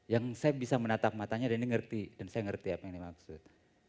yang saya bisa menatap matanya dan saya mengerti apa yang ini maksud